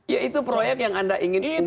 ya itu proyek yang anda ingin hubungkan